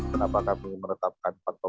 kenapa kami meretapkan empat delapan persen